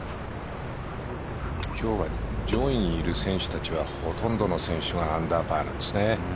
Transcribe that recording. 今日は、上位にいる選手たちはほとんどの選手がアンダーパーですね。